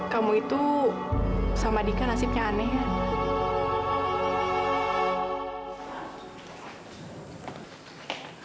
kamu itu sama dika nasibnya aneh